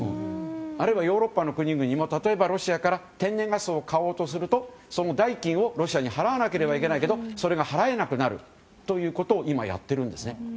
あるいはヨーロッパの国々も例えばロシアから天然ガスを買おうとするとその代金をロシアに払わなければいけないけどそれが払えなくなるということを今、やっているんです。